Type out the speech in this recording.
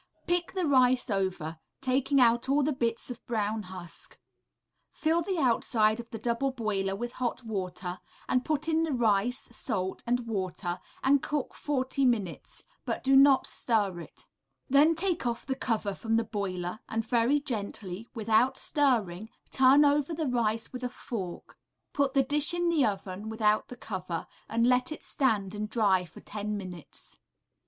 Pick the rice over, taking out all the bits of brown husk; fill the outside of the double boiler with hot water, and put in the rice, salt, and water, and cook forty minutes, but do not stir it. Then take off the cover from the boiler, and very gently, without stirring, turn over the rice with a fork; put the dish in the oven without the cover, and let it stand and dry for ten minutes.